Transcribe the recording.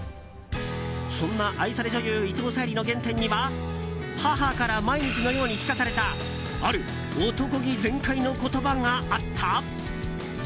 そんな愛され女優伊藤沙莉の原点には母から毎日のように聞かされたある男気全開の言葉があった？